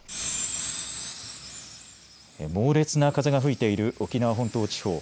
猛烈な風が吹いている沖縄本島地方。